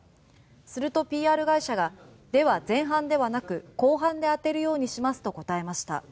するとＰＲ会社がでは前半ではなく後半で当てるようにしますと答えました。